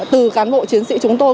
từ cán bộ chiến sĩ chúng tôi